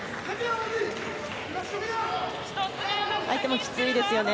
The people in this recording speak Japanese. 相手もきついですよね。